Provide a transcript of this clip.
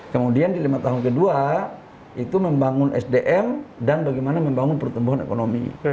kemudian di lima tahun kedua itu membangun sdm dan bagaimana membangun pertumbuhan ekonomi